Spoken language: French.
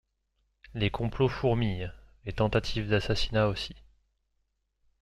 Les complots fourmillent, les tentatives d'assassinat aussi.